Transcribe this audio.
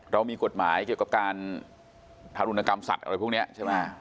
เรามีกฎหมายเกี่ยวกับการทารุณกรรมสัตว์อะไรพวกนี้ใช่ไหม